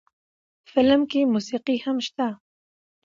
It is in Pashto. فلم کښې موسيقي هم شته